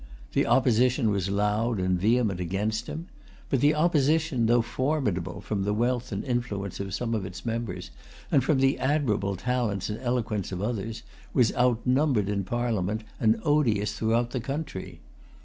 The Opposition was loud and vehement against him. But the Opposition, though formidable from the wealth and influence of some of its members, and from the admirable talents and eloquence of others, was outnumbered in Parliament, and odious throughout the country.